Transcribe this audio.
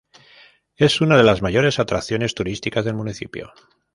Es una de las mayores atracciones turísticas del municipio.